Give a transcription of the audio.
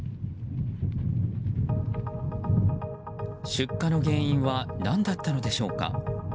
出火の原因は何だったのでしょうか。